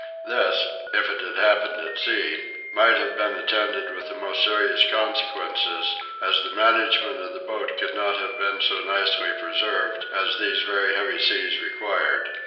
This, if it had happened at sea, might have been attended with the most serious consequences, as the management of the boat could not have been so nicely preserved as these very heavy seas required.